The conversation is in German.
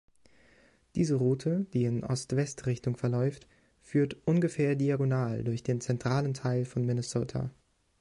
Diese Route, die in Ost-West-Richtung verläuft, führt ungefähr diagonal durch den zentralen Teil von Minnesota.